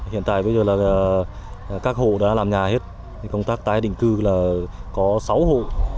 hiện tại bây giờ là các hộ đã làm nhà hết công tác tái định cư là có sáu hộ